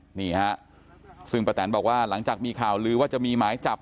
นี่ฮะซึ่งป้าแตนบอกว่าหลังจากมีข่าวลือว่าจะมีหมายจับ